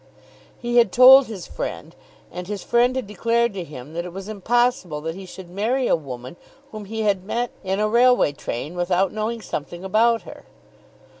He had told his friend, and his friend had declared to him that it was impossible that he should marry a woman whom he had met in a railway train without knowing something about her.